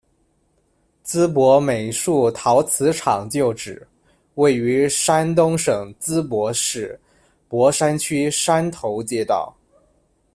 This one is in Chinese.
淄博美术陶瓷厂旧址，位于山东省淄博市博山区山头街道。